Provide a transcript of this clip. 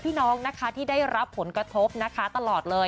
พี่น้องที่ได้รับผลตกทบ